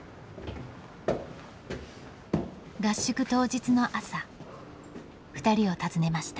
合宿当日の朝ふたりを訪ねました。